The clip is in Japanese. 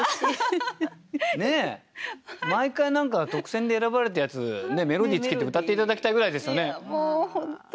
毎回特選で選ばれたやつメロディーつけて歌って頂きたいぐらいですよね。